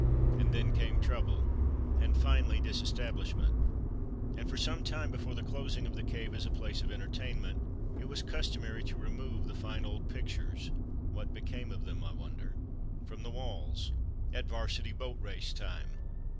And then came trouble, and, finally, disestablishment. And for some time before the closing of the Cave as a place of entertainment, it was customary to remove the fine old pictures (what became of them, I wonder), from the walls, at "Varsity Boat Race" time.